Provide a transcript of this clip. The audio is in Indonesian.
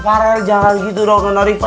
farel jangan gitu dong sama riva